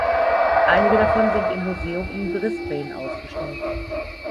Einige davon sind im Museum in Brisbane ausgestellt.